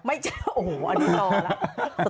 ไม่จะโอ้โหอันนี้ต่อละ